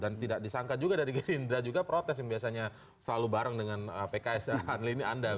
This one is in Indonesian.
dan tidak disangka juga dari gerindra juga protes yang biasanya selalu bareng dengan pks dan anlini anda